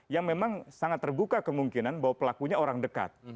yang memang sangat terbuka kemungkinan bahwa pelakunya orang dekat